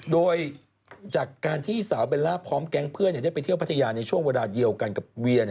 โดยจากการที่สาวเบลล่าพร้อมแก๊งเพื่อนได้ไปเที่ยวพัทยาในช่วงเวลาเดียวกันกับเวีย